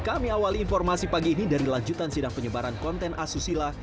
kami awali informasi pagi ini dari lanjutan sidang penyebaran konten asusila